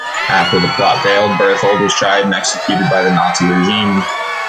After the plot failed, Berthold was tried and executed by the Nazi regime.